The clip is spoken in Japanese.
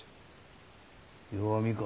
弱みか。